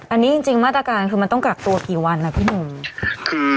อันนี้จริงมาตรการคือมันต้องกักตัวกี่วันนะพี่หนุ่ม